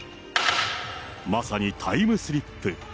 まさにタイムスリップ。